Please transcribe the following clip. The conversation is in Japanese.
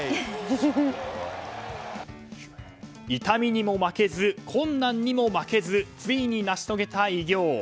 痛みにも負けず困難にも負けずついに成し遂げた偉業。